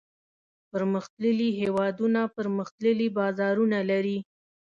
پرمختللي هېوادونه پرمختللي بازارونه لري.